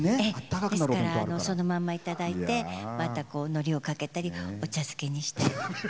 そのまんまいただいてのりをかけたりお茶漬けにしたり。